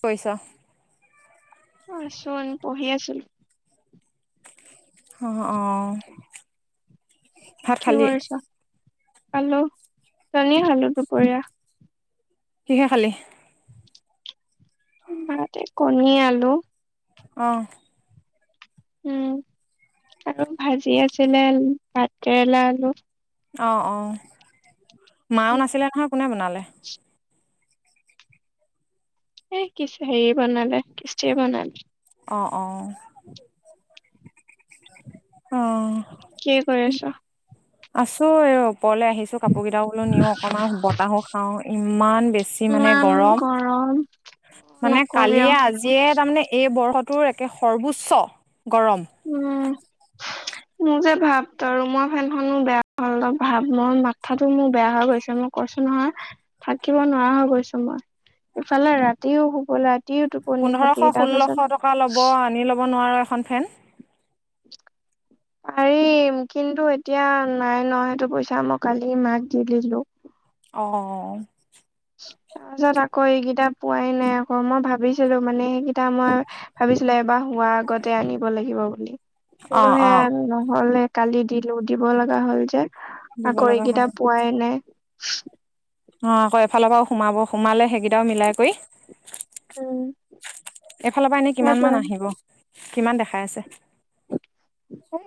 পইচা চোন পঢ়ি আছো অ', ভাত কি খালি কৰিছ? পলো [inaudible] খালো দুপৰীয়া কিহে খালি? [inaudible] কণী আলু, অ, উম, আৰু ভাজি আছিলে ভাত কেৰেলা আলু, অ, অ, মাও নাছিলে নহয় কোনে বনালে? এ কিছে হেৰিয় বনালে কিস্তে বনালে। অ, অ, অ। কি কৰি আছ? আছোঁ এই ওপৰলৈ আহিছোঁ কাপোৰ কেইটা বোলো নিও অকনমান বতাহ খাও ইমান বেছি মানে কিমান গৰম গৰম। মানে নকবি কালিয়ে আও আজিয়ে তাৰমানে এই বৰ্ষটোৰ একে সৰ্বোচ্চ গৰম। উম, মোৰ যে ভাব ত মই ফেনখননো বেয়া হলল ভাব মোৰ মাথাাতো মোৰ বেয়া হৈ গৈছে মোক কছো নহয় থাকিব নোৱাৰা হৈ গৈছোঁ মই ইফালে ৰাতিও শুবলৈ ৰাতিও টোপনি খতি পোন্ধৰশ তাৰ পিছত ষোল্লশ টকা ল'ব আনি ল'ব নোৱাৰোঁ এখন ফেন। [inaudible] পাৰিম কিন্তু এতিয়া নাই ন সেইটো পইচা মই কালি মাক দি দিলোঁ। অ, তাৰপিছত আকৌ এইকেইটা পোৱাই নাই আকৌ মই ভাবিছিলোঁ মানে সেইকেইটা মই ভাবিছিলোঁ এবাৰ হোৱাৰ আগতে আনিব লাগিব বুলি। অ কিন্তু অ হেয়া নহ'লে কালি দিলো দিব লগা হ'ল যে। দিব আকৌ লগা এইকেইটা হয় পোৱাই নাই। অ, আকৌ এফালৰ পৰাও সোমাব সোমালে সেইকেইটাও মিলাই কৰি উম এইফালৰ পৰা এনেই কিমান সেইটোৱে মান আহিব? কিমান দেখাই আছে?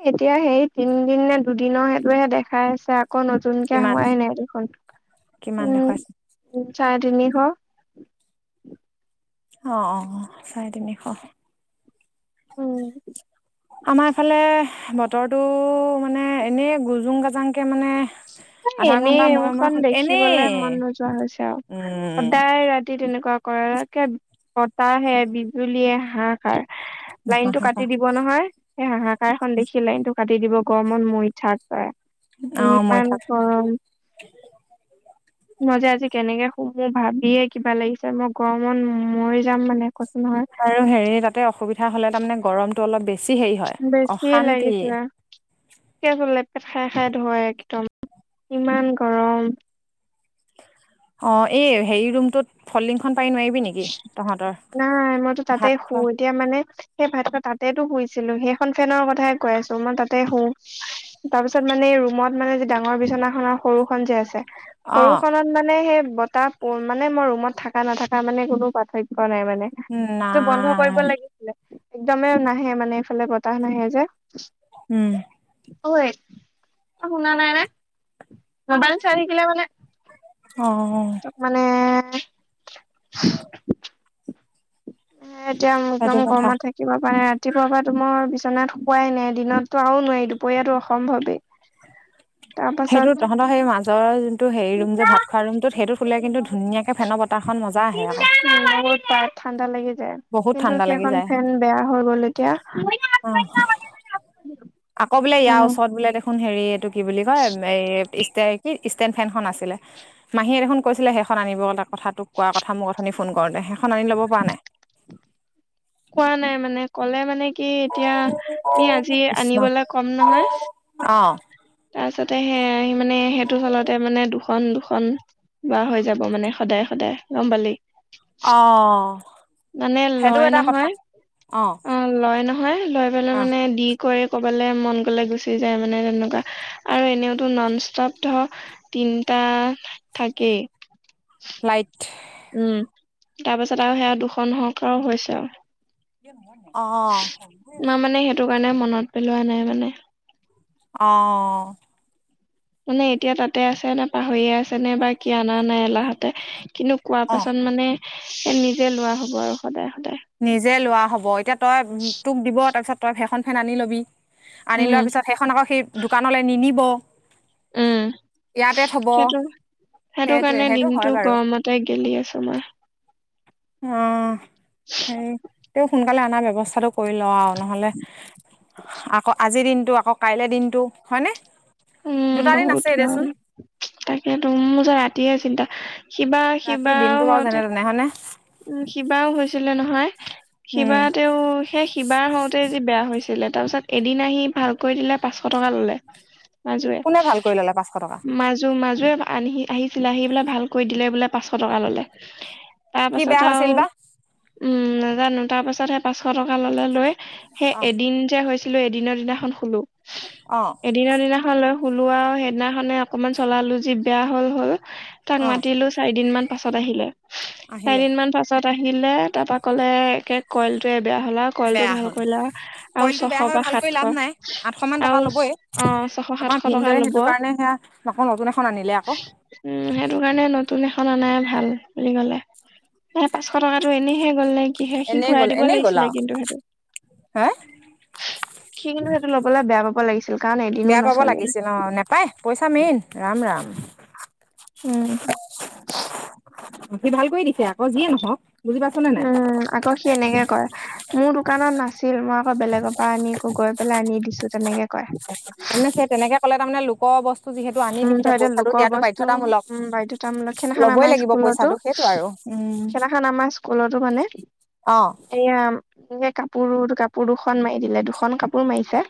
এতিয়া সেই তিনদিন নে দুদিনৰ সেইটোহে দেখাই আছে আকৌ নুন নতুন কে কিমান হোৱাই নাই দেখোন। কিমান দেখুৱাইছে উম, চাৰে তিনিশ অ, অ, অ, চাৰে তিনিশ। উম, আমাৰ ইফালে বতৰটো মানে এনেই গুজুং গাজাংকে মানে আধা এনেই ঘন্টা মূৰে এইবখন মূৰে এনেই দেখিবলে মন নোযোৱা হৈছে আৰু সদায় ৰাতি তেনেকুৱা কৰে বতাহে বিজুলীয়ে হাঁহ সাৰ। লাইন টো কাটি দিব নহয় সেই হাহাকাৰ খন দেখি লাইন টো কাটি দিব গৰমত মৰি থাক তই। অ, মৰি থাক। অ, মই যে আজি কেনেকে সুমো ভাবিয়ে কিবা লাগিছে মই গৰমত মৰি যাম মানে কৈছো নহয়। আৰু হেৰি ততে অসুবিধা হ'লে তাৰ মে গৰমতটো অলপ বেছি হেৰি হয় বেছি অশান্তি লাগিছে। [inaudible] খাই খাই ধয় একদম ইমান গৰম। অ, এই হেৰি ৰুমটোত ফল লিংখন পাৰি নোৱাৰিবি নেকি? কি তহঁতৰ। নাই মইতো তাতে ভাত শু খোৱা, এতিয়া মানে সেই ভাত খ তাতেতো শুইছিলো সেইখন ফেনৰ কথাই কৈ আছো মই তাতে শু। তাৰপিছত মানে ৰুমত মানে যে ডাঙৰ বিচনা খনৰ সৰু খন যে আছে, অঁ সৰুখনত মানে সেই বতাহ মানে মোৰ ৰুমত থকা নাথকা মানে কোনো পাৰ্থক্য় নাই মানে। সেইটো বন্ধ কৰিব লাগিছিলে একদমেই নাহে মানে এইফালে বতাহ নাহে যে, উম, ঐ, শুনা নাই নে? মোবাইল চাই থাকিলে মানে অ, মানে এতিয়া সেইটো মোৰদাম কথা গৰমা থাকে। ৰাতিুৱ পৰা নাই ৰাতিপুৱাৰ পৰা তোমাৰ বিচনাত শুকুৱাই নাই দিনততো আৰু নোৱাৰি দুপৰীয়াো অসম্ভৱেই। [unintelligible] সেইটো পাছত তহঁতৰ সেই মাজৰ ত হেৰি ৰুম যে ভাত খোৱা ৰুমটোত সেইটোত সুললে কিন্তু ধুনীয়াকে ফেনৰ বতাহ খ মজা আহে আকৌ। উম, বহুত ঠাণ্ডা লাগি যায়। বহুত কিন্তু ঠাণ্ডা লাগি সেইখন যায় ফেন বেয়া হৈ গ'ল এতিয়া। অ আকৌ বোলে উম, ইয়াৰ ওচৰত বোলে দেখোন হেৰি এইটো কি বুলি কয় এ ষ্ট কি ষ্টেণ্ড ফেনখনন আছিলে মাহীয়ে দেখোন কৈছিলে সেইখন আনিবল কথাটোক কোৱা কথা মোৰ অথনি ফোন কৰোঁতে সেইখন আনি ল'ব পৰা নাই। কোৱা নাই মানে ক'লে মানে কি এতিয়া ই আজি কৃষ্ণ আনিবলৈ কম নহয়। অ' তাৰপিছতে সে আহি মানে সেইটো চলতে মানে দুখন দুখন ব হৈ যাব মানে সদায় সদায় গম পালি। অ' মানে সেইটো লয় এটা কথা নহয় অ' অ' লয় নহয় লৈ পেলাই অ মানে দি কৰি কবালে মন গলে গুচি যায় মানে তেনেকুৱা। আৰু এনেওতো নন ষ্টপ ধ তিনিটা থাকেই। লাইট উম, তাৰ পিছত আৰু সেয়া দুখন সহকাৰও হৈছে আৰু। আহ। মই মানে সেইটো কাৰণে মনত পেলোৱা নাই মানে। অ'। মানে এতিয়া তাতে আছে নে পাহৰিয়ে আছে নে বা কি অনা নাই এলাহতে। কিন্তু কোৱা অ পাছত মানে এ নিজে লোৱা হ'ব আৰু সদায় সদায়। নিজে লোৱা হ'ব এতিয়া তই তোক দিব তাৰপিছত তই ফেইখন ফেন আনি ল'বি। আনি উম লোৱাৰ পিছত সেইখন আকৌ সেই দোকানলৈ নিনব। উম ইয়াতে থব সেইটো সেইটো সেইটোৱে কাৰণে সেইটো দিনটো হয় বাৰু। গৰমতে গেলি আছো মই অ'। সেই তেওঁ সোনকালে অনাৰ ব্য্ৱস্থাটো কৰি ল আৰু নহ'লে আকৌ আজিৰ দিনতটো আকৌ কাইলে দিনত হয়নে দুটা দিন আছে দেচোন। তাকে তোৰোৰ যেত ৰাতিহে চিন্তা শিবা ৰাতি শিবা দিনটো বাৰু যেনে হতে তেনে হয়নে উম শিবাও হৈছিলে নহয় উম শিবা তেও সেই কিবা হওঁতে যে বেয়া হৈছিলে তাৰ পিছত এদিন আহি ভালকৈ দিলে পাঁচশ টকা ললে। মাজুৱে কোনে ভাল কৰি ল'লে পাঁচশ টকা মাজ মাজু মাজো য়ে অনহি-আহি পেলাই ভালকৈ দিলে বোলে পাঁচশ টকা ল'লে। তাৰ কি বেয়া পাছত হৈছিল আৰু বা উম নাজানো তাৰপাছতহে পাঁচশ টকা ল'লে লৈ সেই অঁ এদিন যে হৈছিলো, এদিনৰ দিনাখন শুলো। অ'। দিনা-দিনাখন লৈ শুলো আৰু সেইদিনাখনে অকনমান চলালো যি বেয়া হ'ল, হ'ল। তাক অঁ মাতিলো চাৰি দিনমান পাছত আহিলে, আহিলে চাৰিদিন মান পাছত পাছত আহিলে তাৰ পৰা ক'লে একে কইল টোৱে বেয়া হ'ল আৰু। কইলটো বেয়া ভাল হ'ল কৰিলে আৰু কইলটো ছশ বেয়া হৈ বা ভাল কৰি লাভ সাতশ নাই আঠশ মান টকা আৰু ল'বই অ'। ছশ সাতশ আমাৰ টকা ভিন্দৰে লব সেইটো কাৰণে সেয়া আকৌ নতুন এখন আনিলে আকৌ। উম সেইটো কাৰণে নতুন এখন অনাই ভাল বুলি ক'লে। এ পাঁচশ টকাটো এনেহে গ'ল নে কিহে সি এনেই ঘূৰাই গ'ল দিব এনেই গ'ল লাগিছিলে আৰু কিন্তু সেইটো। হে সি কিন্তু সেইটো ল'বলে বেয়া পাব লাগিছিল কাৰণ এদিনো ন ক'ব লাগিছিল অ' নেপাই পইচা মেইন ৰাম, ৰাম। উম। সি ভাল কৰি দিছে আকৌ যিয়ে নহওক, বুজি পাইছ নে নাই। উম, আকৌ সি এনেকে কয় মোৰ দোকানত নাছিল মই আকৌ বেলেগৰ পৰা আনি আকৌ গৈ পেলাই আনি দিছো তেনেকে কই। তেনেকেই তেনেকে ক'লে তাৰমানে লোকৰ বস্তু যিহেতু টো আনি উম, দিছে ধৰ এতিয়া পইচাটো লোকৰ দিয়াতো বস্তু বাধ্যতামূলক। উম, বাধ্যতামূলক সেইদিনাখন ল'বই আমাৰ লাগিব স্কুলতো পইচাটো। সেইটো আৰু উম, সেইদিনাখন অ',। এয়া এনে কাপোৰো- কাপোৰ দুখন মাৰি দিলে, দুখন কাপোৰ মাৰিছে।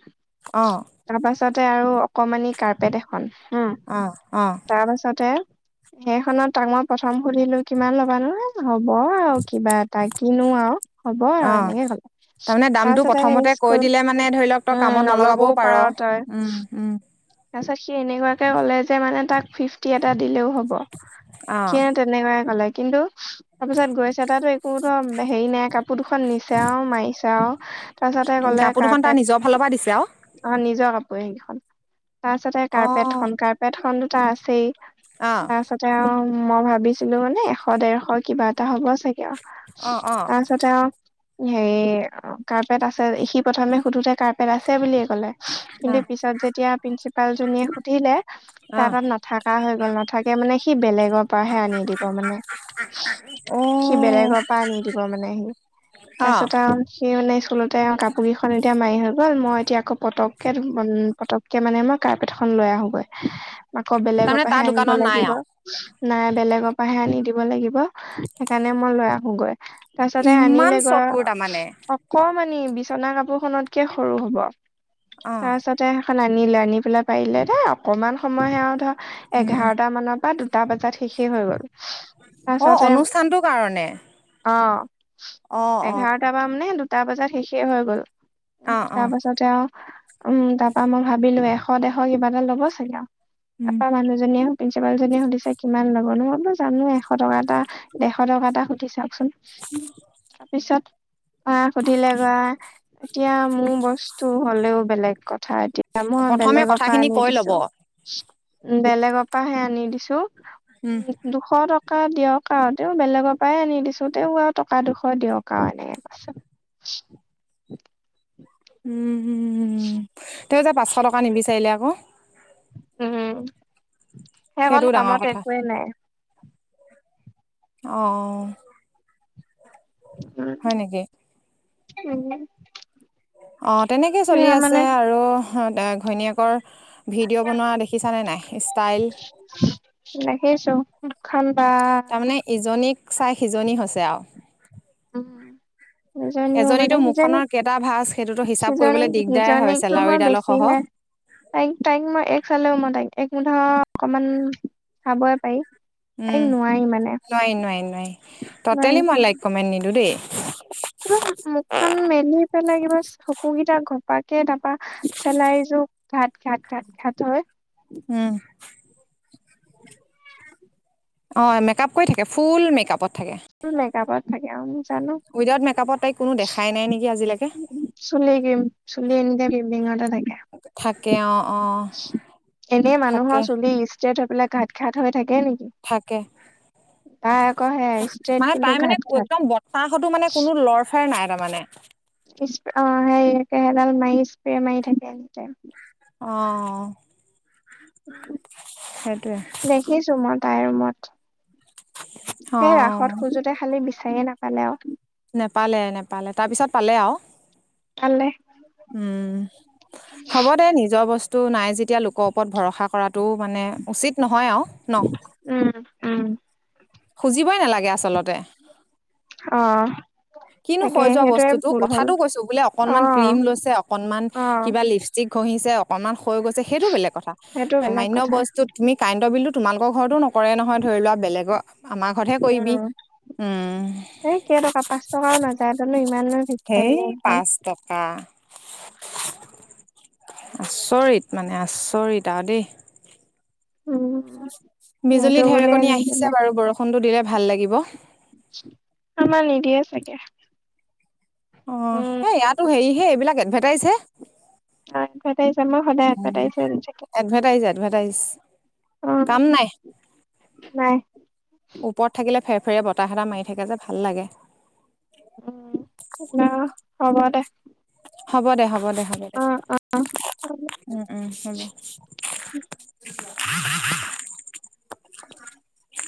অ',। তাৰ পাছতে আৰু অকমানি কাৰ্পেট এখন, উম। অ', অ'। তাৰ পাছতে সেইখনত তাক মই প্ৰথম সুধিলো কিমান ল'বা নো? হ'ব আৰু কিবা এটা কিনো আৰু। হ'ব আৰু অ', এনেকে ক'লে তাৰমানে দামটো তাৰপিছতে প্ৰথমতে কৈ স্কুল দিলে মানে ধৰি লওক তই উম কামত নল'বও নলগাবও পাৰ। উম, উম। তাৰ পিছত সি এনেকুৱাকে ক'লে যে, মানে তাক ফিফটি এটা দিলেও হ'ব অ সি তেনেকুৱাই ক'লে কিন্তু তাৰপিছত গৈছা তাতো একো টো হেৰি নাই, কাপোৰ দুখন নিচে আৰু মাৰিছে আৰু। তাৰপিছতে ক'লে কাপোৰ দুখন তাৰ কাৰ্পেট নিজৰ ফালৰ পৰা দিছে আৰু হেখন নিজৰ কাপোৰে সেইকেইখন। তাৰ পাছতে অ কাৰ্পেট খন, কাৰ্পেট খন টো তাৰ আছেই, অ তাৰপাছত তেওঁ, মই ভাবিছিলো মানে এশ-ডেৰশ কিবা এটা হ'ব চাগে আৰু অ অ তা পিছত আৰু হেৰি কাৰ্পেট আছে- সি প্ৰথমে সোধোতে কাৰ্পেট আছে বুলিয়ে ক'লে। অ কিন্তু পিছত যেতিয়া প্ৰিন্সিপাল জনীয়ে সুধিলে অ তাৰ তাত অ নাথকা হৈ গ'ল নাথাকে মানে সি বেলেগৰ পৰাহে আনি দিব মানে। সি বেলেগৰ পৰা আনি দিব মানে সি, অ তাৰপিছত আৰু সেই মানে স্কুলতে আৰু কাপোৰ কেইখন এতিয়া মাৰি হৈ গ'ল, মই এতিয়া আকৌ পটকে পট কে মানে মই কাৰ্পেট খন লৈ আহোগৈ, আকৌ বেলেগৰ তাৰমানে তাৰ পৰাহে আনিব দোকানত নাই লাগিব। আও নাই বেলেগৰ পৰাহে আনি দিব লাগিব, সেইকাৰণে মই লৈ আহোগৈ। তাৰপিছ আৰু ইমান আনিলে গৈ চতুৰ তাৰমানে আৰু কমানি বিচনা কাপোৰ খনতকে সৰু হ'ব, অ তাৰ পিছতে এখন আনিলো, আনি পেলাই পাৰিলে দে অকণমান সময়হে আৰু ধৰ উম উম এঘাৰটা মানৰ পৰা দু টা বজাত শেষেই হৈ গ'ল। অ', তাৰপাছতে অনুষ্ঠানটোৰ কাৰণে। অ', অ অ এঘাৰটাৰ পা মানে দুটা বজাত শেষেই হৈ গ'ল। অ অ তাৰ পাছতে আৰু উম, তাৰ পৰা মই ভাবিলো, এশ-ডেৰশ কিবা এটা ল'ব চাগে আৰু। উম তাৰপা মানুহজনীও প্ৰিঞ্চিপাল জনীয়ে সুধিছে কিমান ল'ব? মই বোলো জানো এশ টকা এটা ডেৰশ টকা এটা হুধি চাওক সোণ। তাৰপিছত অ', সুধিলে গৈ, এতিয়া মোৰ বস্তু হলেও বেলেগ কথা এতিয়া মই প্ৰথমে বেলেগৰ পৰা কথাখিনি আনি কৈ ল'ব দিছো। বেলেগৰ পৰাহে আনি দিছো উম। দুশ টকা দিয়ক আৰু তেওঁ বেলেগৰ পৰাই আনি দিছো তেওঁ আৰু টকা দুশ দিয়ক আৰু এনেকে [unintelligible] উম, তেওঁ যে পাঁচশ টকা নিবিচাৰিলে আকৌ। উম। সেইকণ সেইটোও ডাঙৰ কামত কথা একোৱে নাই অ',। হয় নেকি? উম। অ', তেনেকেই চলি সেয়া আছে মানে আৰু ঘৈণীয়েকৰ ভিডিঅ বনোৱা দেখিছানে নাই ষ্টাইল। দেখিছো মুখখন বা। তাৰমানে ইজনীক চাই সিজনি হৈছে আৰু। উম। ইজনীও মানে এজনীতো সিজনী, মুখখনৰ কেইটা ভাঁজ সেইটোতো হিচাপ সিজনী কৰিবলৈ দিগদাৰে হয় সিজনীকটো মই চেলাউৰিডালৰ সহ। বেছিহে তাইক, তাইক মই এইক চালেও, মই তাইক এক মোৰ ধৰ, অকমান চাবই পাৰি। উম, তাইক নোৱাৰি মানে নাই, নাই, নাই, নোৱাৰি টটেলি মই লাইক কমেণ্ট নিদিও দেই। কিবা মুখখন মেলি পেলাই কিবা চকু কেইটা ঘপাকে তাৰপা চেলাউৰি যোৰ ঘাট, ঘাট, ঘাট, ঘাট হয়। উম। অ', মেকআপ কৰি থাকে, ফুল মেকআপত থাকে। মেকআপত থাকে অহ। উইদাউট মেকআপত তাইক কোনো দেখাই নাই নেকি আজিলৈকে। চুলি ক্ৰীম, চুলি এনিটাইম [unintelligible] থাকে। থাকে অ', অ', এনেই থাকে মানুহৰ চুলি ইচ থৈ পেলাই ঘাত ঘাত হৈ থাকে নেকি? থাকে তাই আকৌ সেই মানে তাই মানে একদম বতাহতো মানে কোনো লৰফেৰ নাই তাৰমানে। অ, ' হেৰি সেইদাল মাৰি স্প্ৰে মাৰি থাকে এনিটাইম। অ', সেইটোৱেই। দেখিছোঁ মই তাইৰ ৰুমত, সেই অ', ৰাসত খোজো তে খালি বিচাৰিয়েই নাপালে আৰু। নেপালে নেপালে, তাৰপিছত পালে আৰু। পালে। উম। হ'ব দে, নিজৰ বস্তু নাই যেতিয়া লোকৰ ওপৰত ভৰসা কৰাতটো মানে, উচিত নহয় আৰু ন'। উম। উম খুজিবই নালাগে আচলতে। অ'। কিনো তাকে ক্ষই যোৱা সেইটোৱে বস্তুটো ভুল হ'ল কথাটো কৈছোঁ, বোলে অ অকনমান ক্ৰীম লৈছে, অকনমান অ কিবা লিপ লিপষ্টিক ঘঁহিছে, অকনমান ক্ষয় গৈছে, সেইটো বেলেগ কথা, সেইটো বেলেগ সামান্য কথা বস্তুত তুমি কাৰেণ্টৰ বিলটো তোমালোকৰ ঘৰতো নকৰে নহয়, ধৰি লোৱা, বেলেগৰ আমাৰ ঘৰতহে কৰিবি উম, উম এই কেইটকা পাঁচ টকাও নাযায়, সিহঁতনো ইমাননো ভিক্ষাৰী সেই নে একদম? পাঁচ টকা আচৰিত মানে, আচৰিত আৰু দেই। উম নিদো বিজুলী বুলিয়ে ঢেৰেকনী নিদিলে আহিছে বাৰু, বৰষুণটো দিলে ভাল লাগিব। আমাৰ নিদিয়ে চাগে। অহ, উম এইয়াতো হেৰি হে, এইবিলাক এডভাৰটাইজ হে। এডভেতাইজ, আমাৰ সদায় এডভাৰটাইজে দি থাকে এডভাৰটাইজ এডভাৰ এভাৰটাইজ, অ কাম নাই। নাই ওপৰত থাকিলে ফেৰ ফেৰিয়া বতাহ এটা মাৰি থাকে যে, ভাল লাগে। উম, অহ, হ'ব দে। হ'ব দে, হ'ব দে, হ'ব দে, অ অ উম। [unintelligible]